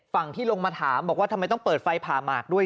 ฝั่งที่ลงมาถามบอกว่าทำไมต้องเปิดไฟผ่าหมากด้วย